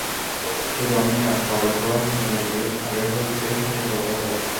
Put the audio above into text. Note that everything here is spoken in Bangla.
শুধু আমি না, পাড়ার সবাই মেয়ের বিয়ের আগে হজিতের সঙ্গে কথা বলে।